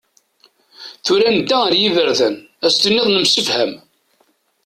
Tura, nedda ar yiberdan, Ad as-tiniḍ nemsefham.